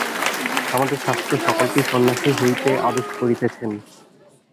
আমাদের শাস্ত্র সকলকেই সন্ন্যাসী হইতে আদেশ করিতেছেন।